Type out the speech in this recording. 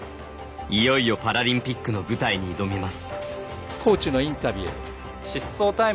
いよいよパラリンピックの舞台に挑みます。